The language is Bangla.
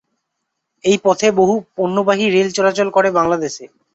এই পথে বহু পণ্যবাহী রেল চলাচল করে বাংলাদেশে।